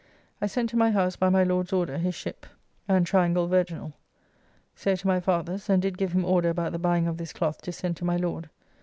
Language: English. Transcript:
I sent to my house by my Lord's order his shipp [Qy. glass omitted after shipp.] and triangle virginall. So to my father's, and did give him order about the buying of this cloth to send to my Lord.